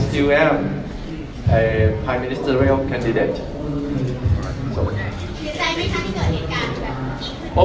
เชียร์ใจไหมท่านที่เกิดเหตุการณ์